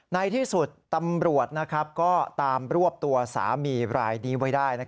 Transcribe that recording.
ในที่สุดตำรวจก็ตามรวบตัวสามีรายนี้ไว้ได้